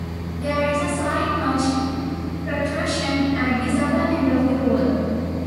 There is a slight notched protrusion at the southern end of the wall.